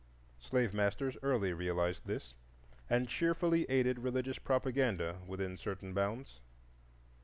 Slave masters early realized this, and cheerfully aided religious propaganda within certain bounds.